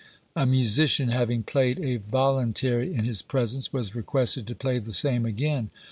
A musician having played a voluntary in his presence, was requested to play the same again.